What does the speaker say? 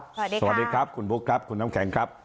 สวัสดีครับสวัสดีครับคุณบุ๊คครับคุณน้ำแข็งครับ